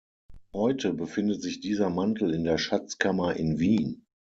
Heute befindet sich dieser Mantel in der Schatzkammer in Wien.